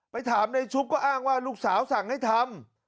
ถามในชุบก็อ้างว่าลูกสาวสั่งให้ทำ